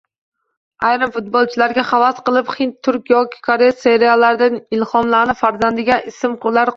Ayrimlar futbolchilarga havas qilib, hind, turk yoki koreys seriallaridan “ilhomlanib” farzandiga ismlar qo‘yish